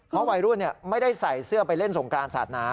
เพราะวัยรุ่นไม่ได้ใส่เสื้อไปเล่นสงกรานศาสนา